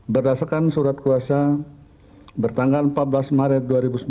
berdasarkan surat kuasa bertanggal empat belas maret dua ribu sembilan belas